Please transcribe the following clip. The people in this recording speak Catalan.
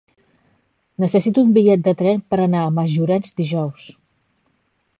Necessito un bitllet de tren per anar a Masllorenç dijous.